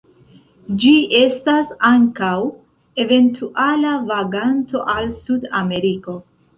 Ĝi estas ankaŭ eventuala vaganto al Sudameriko.